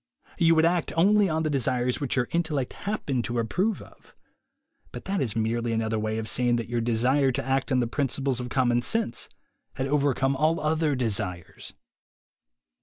You would act only on the desires which your intellect happened to approve of; but that is merely another way of saying that your desire to act on the principles of common sense had overcome all other desires.